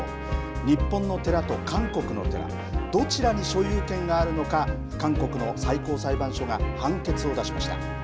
日本の寺と韓国の寺どちらに所有権があるのか韓国の最高裁判所が判決を出しました。